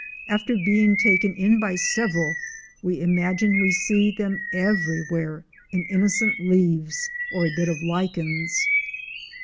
After being taken in by several, we imagine we see them everywhere in inno cent leaves or bit of lichens!